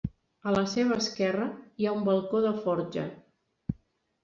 A la seva esquerra, hi ha un balcó de forja.